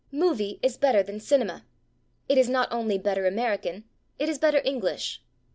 /Movie/ is better than /cinema/; it is not only better American, it is better English.